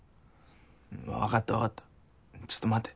わかったわかったちょっと待て。